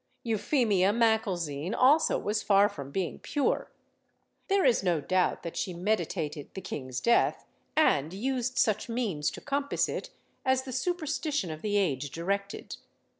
Euphemia Macalzean also was far from being pure. There is no doubt that she meditated the king's death, and used such means to compass it as the superstition of the age directed.